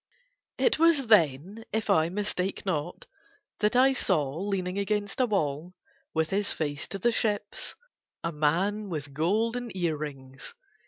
It was then, if I mistake not, that I saw leaning against a wall, with his face to the ships, a man with golden ear rings.